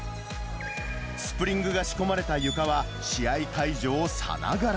スプリングが仕込まれた床は、試合会場さながら。